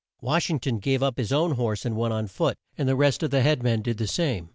Wash ing ton gave up his own horse and went on foot, and the rest of the head men did the same.